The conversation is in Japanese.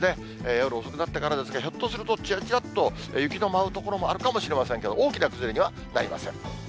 夜遅くなってからですが、ひょっとすると、ちらちらっと雪の舞う所もあるかもしれませんけど、大きな崩れにはなりません。